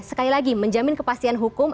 sekali lagi menjamin kepastian hukum